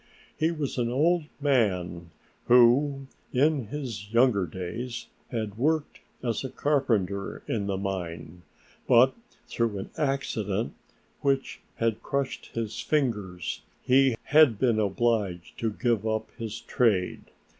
He was an old man who, in his younger days had worked as a carpenter in the mine but through an accident, which had crushed his fingers, had been obliged to give up his trade.